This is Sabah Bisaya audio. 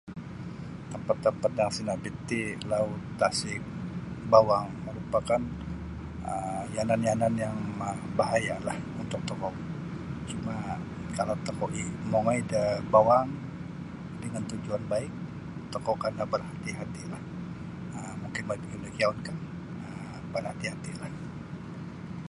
Tampat-tampat yang sinabit ti laut tasik bawang merupakan um yanan-yanan yang ma bahayalah untuk tokou cuma kalau tokou ih mongoi da bawang dengan tujuan baik tokou kena berhati-hatilah um mungkin mongoi pagiyum da kiyaunkah berhati-hatilah.